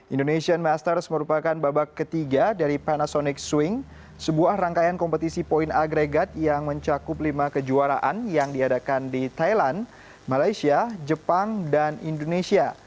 indonesian masters merupakan babak ketiga dari panasonic swing sebuah rangkaian kompetisi poin agregat yang mencakup lima kejuaraan yang diadakan di thailand malaysia jepang dan indonesia